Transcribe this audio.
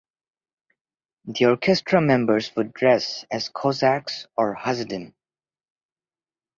The orchestra members would dress as Cossacks or Hasidim.